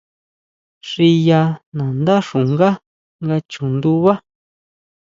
Xiya nandá xungá nga chu ndunbá.